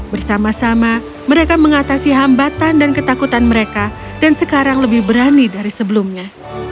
bersama sama mereka mengatasi hambatan dan ketakutan mereka dan sekarang lebih berani dari sebelumnya